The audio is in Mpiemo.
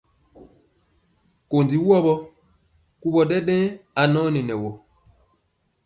Kondi wɔgɔ, kuwɔ ɗɛɗɛŋ anɔni nɛ wɔ.